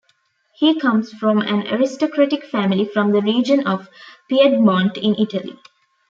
He comes from an aristocratic family from the region of Piedmont in Italy.